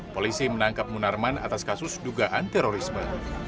polisi menangkap munarman atas kasus dugaan terorisme